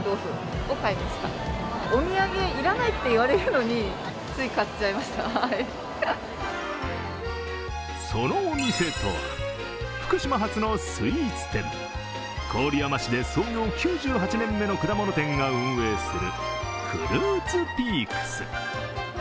地方発スイーツはそのお店とは福島発のスイーツ店、郡山市で創業９８年目の果物店が運営するフルーツピークス。